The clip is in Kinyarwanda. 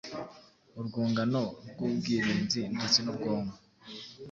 urwungano rw’ubwirinzi ndetse n’ubwonko.